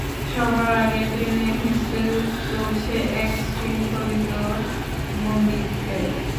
সবার আগে টেনে হিচড়ে নিয়ে চলছে এক শৃঙ্খলিত বন্দীকে।